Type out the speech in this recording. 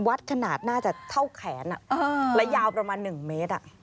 วัดขนาดน่าจะเท่าแขนและยาวประมาณ๑เมตร